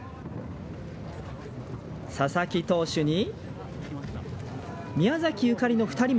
佐々木投手に宮崎ゆかりの２人も。